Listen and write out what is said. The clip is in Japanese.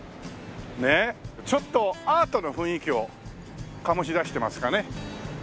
ねえちょっとアートな雰囲気を醸し出してますかね。